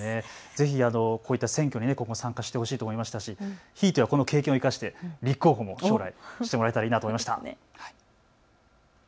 ぜひこういった選挙に今後も参加してほしいと思いましたし、この経験を生かして立候補も将来、してもらえたらいいなと思いました。